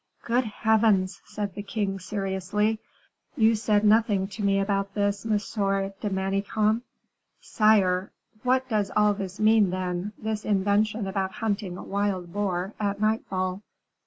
"Good heavens!" said the king, seriously, "you said nothing to me about this, Monsieur de Manicamp." "Sire " "What does all this mean, then, this invention about hunting a wild boar at nightfall?